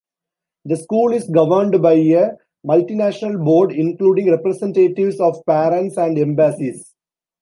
The school is governed by a multi-national board, including representatives of parents and embassies.